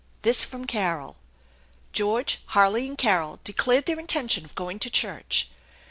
This from Carol. George, Harley, and Carol declared their intention of going to church.